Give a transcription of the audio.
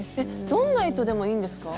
どんな糸でもいいんですか？